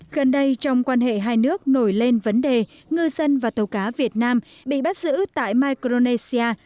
gần đây trong quan hệ hai nước nổi lên vấn đề ngư dân và tàu cá việt nam bị bắt giữ tại micronesia